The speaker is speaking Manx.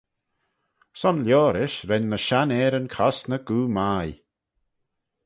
Son liorish ren ny shenn-ayryn cosney goo mie.